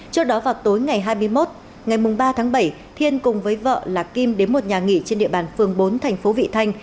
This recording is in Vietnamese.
trước đó vào tối ngày hai mươi một ngày ba tháng bảy thiên cùng với vợ là kim đến một nhà nghỉ trên địa bàn phường bốn thành phố vị thanh